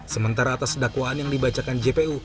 sementara atas dakwaan yang dibacakan jpu